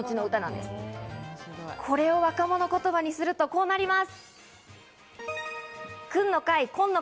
これを若者言葉にすると、こうなります。